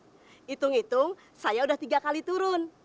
hitung hitung saya udah tiga kali turun